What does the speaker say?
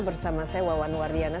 bersama saya wawan wardiana